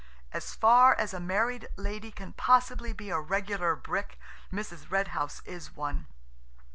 As far as a married lady can possibly be a regular brick, Mrs. Red House is one.